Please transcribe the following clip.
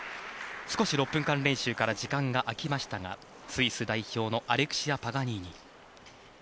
少し６分間練習から時間が空きましたがスイス代表のアレクシア・パガニーニ。